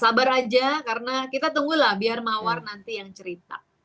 sabar aja karena kita tunggulah biar mawar nanti yang cerita